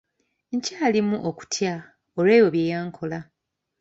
Nkyalimu okutya olw'ebyo bye yankola.